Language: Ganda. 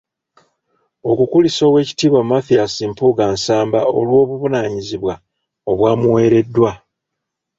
Okukulisa Oweekitibwa Mathias Mpuuga Nsamba olw’obuvunaanyizibwa obwamuweereddwa .